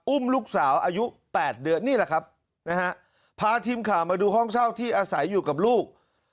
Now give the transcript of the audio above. อุ้มลูกสาวอายุ๘เดือนนี่แหละครับนะฮะพาทีมข่าวมาดูห้องเช่าที่อาศัยอยู่กับลูก